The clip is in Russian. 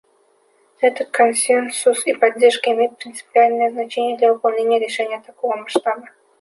Этот консенсус и поддержка имеют принципиальное значение для выполнения решения такого масштаба.